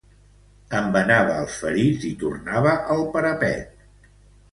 Embenava els ferits i tornava al parapet